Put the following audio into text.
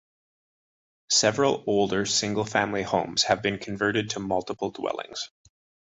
Several older single-family homes have been converted to multiple dwellings.